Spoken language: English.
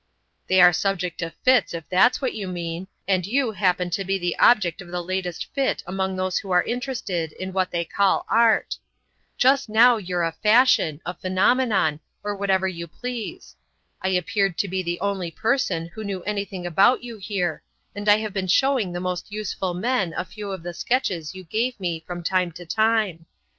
"They are subject to fits, if that's what you mean; and you happen to be the object of the latest fit among those who are interested in what they call Art. Just now you're a fashion, a phenomenon, or whatever you please. I appeared to be the only person who knew anything about you here, and I have been showing the most useful men a few of the sketches you gave me from time to time.